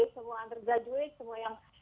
semua undergraduate semua yang